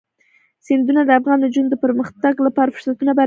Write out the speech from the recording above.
سیندونه د افغان نجونو د پرمختګ لپاره فرصتونه برابروي.